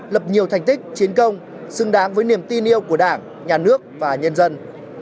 lập nhiều thành tích chiến công xứng đáng với niềm tin yêu của đảng nhà nước và nhân dân